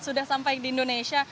sudah sampai di indonesia